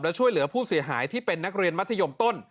และช่วยเหลือผู้เสียหายที่เป็นนักเรียนมัธยมต้น